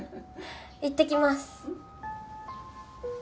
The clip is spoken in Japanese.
いってきます。